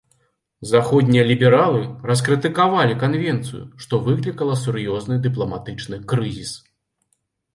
Заходнія лібералы раскрытыкавалі канвенцыю, што выклікала сур'ёзны дыпламатычны крызіс.